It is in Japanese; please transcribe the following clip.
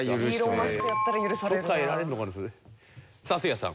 さあせいやさん。